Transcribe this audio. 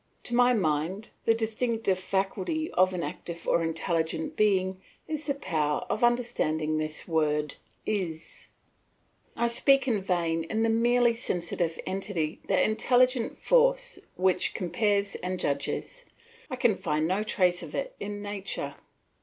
To my mind, the distinctive faculty of an active or intelligent being is the power of understanding this word "is." I seek in vain in the merely sensitive entity that intelligent force which compares and judges; I can find no trace of it in its nature.